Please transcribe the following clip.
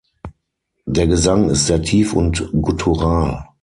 Der Gesang ist sehr tief und guttural.